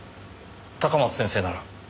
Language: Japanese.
高松先生なら。